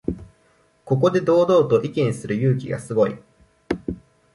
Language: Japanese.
ここで堂々と意見する勇気がすごい